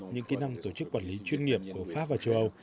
những kỹ năng tổ chức quản lý chuyên nghiệp của pháp và châu âu